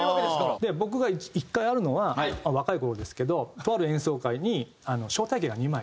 で僕が１回あるのは若い頃ですけどとある演奏会に招待券が２枚。